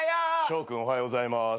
ショー君おはようございます。